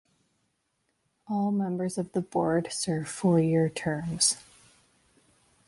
All members of the board serve four-year terms.